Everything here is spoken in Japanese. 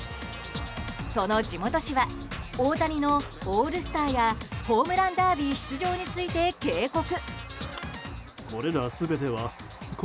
その地元紙は大谷のオールスターやホームランダービー出場について警告。